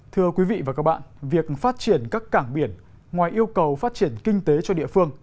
thưa quý vị và các bạn việc phát triển các cảng biển ngoài yêu cầu phát triển kinh tế cho địa phương